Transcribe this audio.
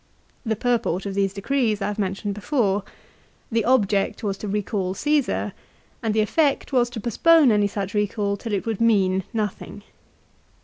1 The purport of these decrees I have mentioned before. The object was to recall Caesar, and the effect was to postpone any such recall till it would mean nothing.